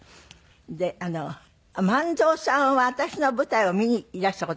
で万蔵さんは私の舞台を見にいらした事がある。